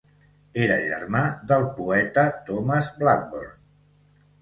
Era germà del poeta Thomas Blackburn.